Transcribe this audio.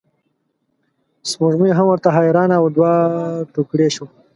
سپوږمۍ هم ورته حیرانه او دوه توکړې شوه.